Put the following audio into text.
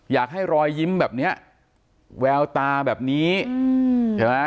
อยากให้รอยยิ้มแบบเนี้ยแววตาแบบนี้ใช่ไหม